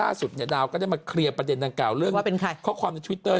ล่าสุดเนี่ยดาวก็ได้มาเคลียร์ประเด็นดังกล่าวเรื่องข้อความในทวิตเตอร์